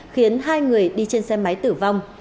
khiến hai người đi trên xe máy tử vong